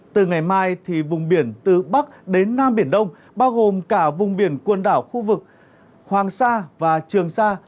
từ ngày mai vùng biển từ bắc đến nam biển đông bao gồm cả vùng biển quần đảo khu vực hoàng sa và trường sa